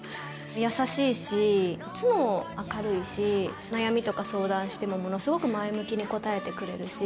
優しいしいつも明るいし悩みとか相談してもものすごく前向きに答えてくれるし。